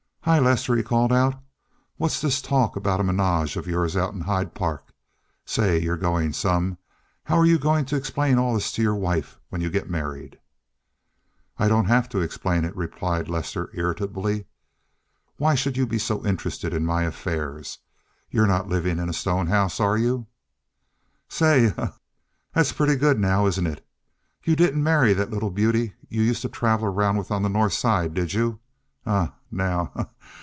"Hi, Lester!" he called out, "what's this talk about a ménage of yours out in Hyde Park? Say, you're going some. How are you going to explain all this to your wife when you get married?" "I don't have to explain it," replied Lester irritably. "Why should you be so interested in my affairs? You're not living in a stone house, are you?" "Say, ha! ha! that's pretty good now, isn't it? You didn't marry that little beauty you used to travel around with on the North Side, did you? Eh, now!